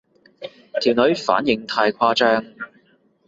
條女反應太誇張